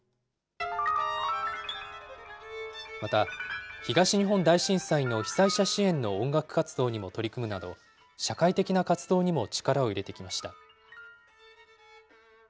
また、東日本大震災の被災者支援の音楽活動にも取り組むなど、社会的な活動にも力を入れてきました。